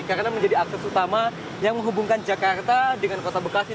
karena menjadi akses utama yang menghubungkan jakarta dengan kota bekasi